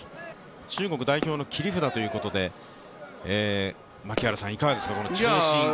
中国代表の切り札ということで、いかがですか、この長身。